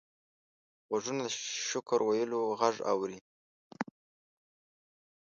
غوږونه د شکر ویلو غږ اوري